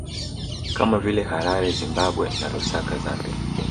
Kama vile Harare Zimbabwe na Lusaka Zambia